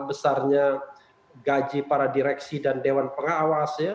besarnya gaji para direksi dan dewan pengawas